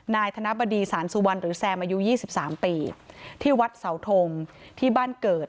นายธนบดีศาลสุวรรณหรือแซมอายุยี่สิบสามปีที่วัดเสาธงที่บ้านเกิด